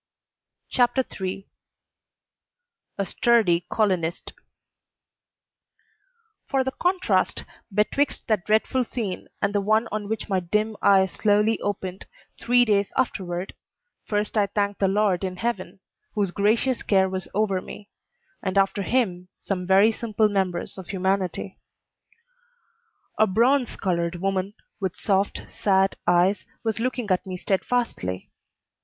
CHAPTER III A STURDY COLONIST For the contrast betwixt that dreadful scene and the one on which my dim eyes slowly opened, three days afterward, first I thank the Lord in heaven, whose gracious care was over me, and after Him some very simple members of humanity. A bronze colored woman, with soft, sad eyes, was looking at me steadfastly.